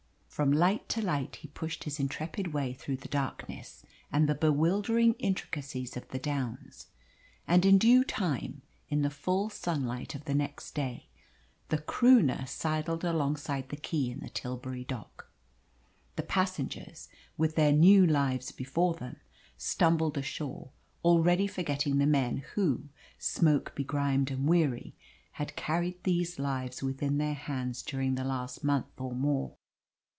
From light to light he pushed his intrepid way through the darkness and the bewildering intricacies of the Downs, and in due time, in the full sunlight of the next day, the Croonah sidled alongside the quay in the Tilbury Dock. The passengers, with their new lives before them, stumbled ashore, already forgetting the men who, smoke begrimed and weary, had carried these lives within their hands during the last month or more.